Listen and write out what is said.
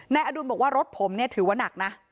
อดุลบอกว่ารถผมเนี่ยถือว่านักนะ